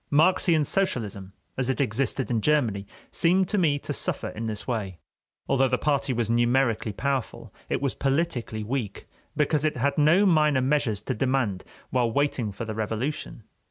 Marxian socialism, as it existed in Germany, seemed to me to suffer in this way: although the party was numerically powerful, it was politically weak, because it had no minor measures to demand while waiting for the revolution.